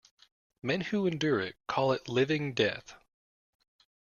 Men who endure it, call it living death.